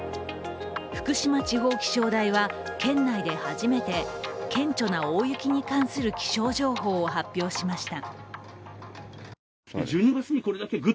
福島地方気象台は県内で初めて顕著な大雪に関する気象情報を発表しました。